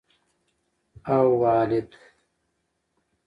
اوالد